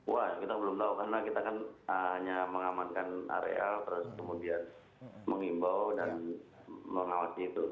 wah kita belum tahu karena kita kan hanya mengamankan area terus kemudian mengimbau dan mengawasi itu